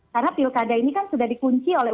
karena pilkada ini kan sudah dikunci oleh